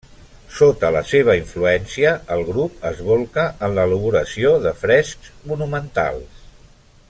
Sota la seva influència, el grup es bolca en l'elaboració de frescs monumentals.